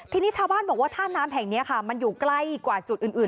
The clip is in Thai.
ทีนี้ชาวบ้านบอกว่าท่าน้ำแห่งนี้ค่ะมันอยู่ใกล้กว่าจุดอื่น